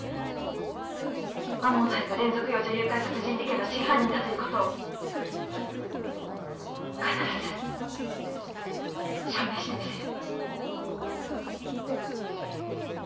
天羽大が連続幼女誘拐殺人事件の真犯人だという事を必ず証明してみせる。